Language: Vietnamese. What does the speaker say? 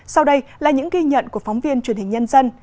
sau đây là những ghi nhận của phóng viên truyền hình nhân dân